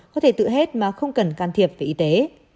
có thể tự hết mà không cần can thiệp về y tế